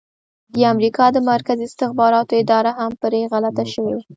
د امریکا د مرکزي استخباراتو اداره هم پرې غلطه شوې وه.